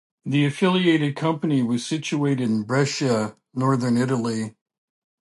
The affiliated company was situated in Brescia, Northern Italy.